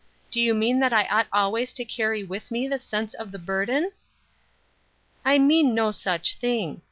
Do you mean that I ought always to carry with me the sense of the burden?" "I mean no such thing.